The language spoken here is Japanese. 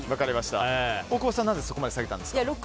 大久保さん、なぜそこまで下げたんですか？